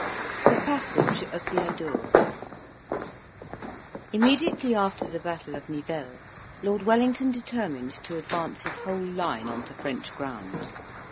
THE PASSAGE OF THE ADOUR Immediately after the battle of Nivelle, Lord Wellington determined to advance his whole line on to French ground.